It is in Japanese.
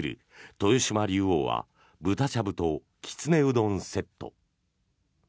豊島竜王は豚しゃぶときつねうどんセット。